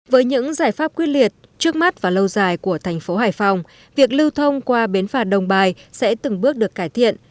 với những giải pháp quyết liệt trước mắt và lâu dài của thành phố hải phòng việc lưu thông qua bến phà đồng bài sẽ từng bước được cải thiện